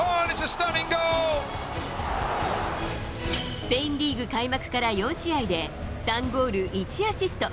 スペインリーグ開幕から４試合で、３ゴール１アシスト。